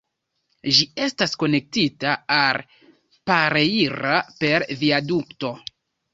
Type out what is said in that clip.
Ĝi estas konektita al "Pereira" per viadukto.